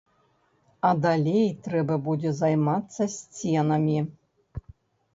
А далей трэба будзе займацца сценамі.